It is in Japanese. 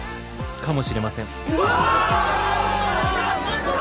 かもしれません